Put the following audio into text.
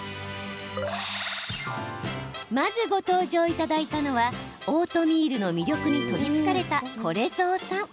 まずご登場いただいたのはオートミールの魅力に取りつかれたこれぞうさん。